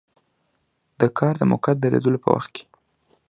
د کار د موقت دریدلو په وخت کې.